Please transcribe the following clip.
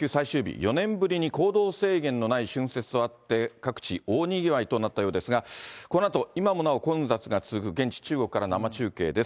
４年ぶりに行動制限のない春節となって、各地、大にぎわいとなったようですが、このあと、今もなお混雑が続く現地、中国から生中継です。